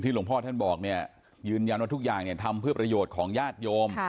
หลวงพ่อท่านบอกเนี่ยยืนยันว่าทุกอย่างทำเพื่อประโยชน์ของญาติโยม